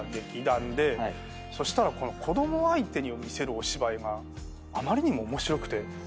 そしたら子供相手に見せるお芝居があまりにも面白くて。